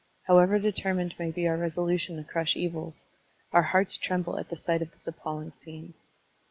How ever determined may be our resolution to crush evils, our hearts tremble at the sight of this appalling scene.